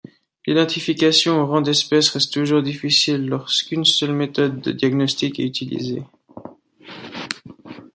L’identification au rang d’espèce reste toujours difficile lorsqu’une seule méthode de diagnostic est utilisée.